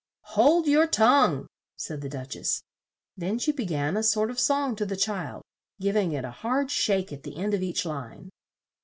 "Hold your tongue," said the Duch ess; then she be gan a sort of song to the child, giv ing it a hard shake at the end of each line.